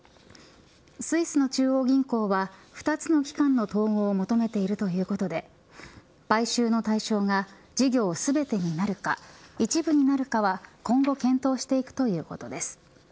スイスの中央銀行は２つの機関の統合を求めているということで買収の対象が事業全てになるか一部になるかは今後検討していくということです。